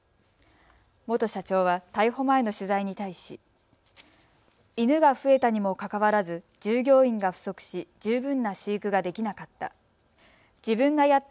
元社長は逮捕前の取材に対し犬が増えたにもかかわらず従業員が不足し、十分な飼育ができなかった。